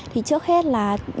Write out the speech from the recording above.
thì trước hết là